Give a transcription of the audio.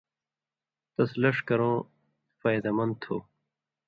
تس لݜ کرؤں فائدہ مند تُھو۔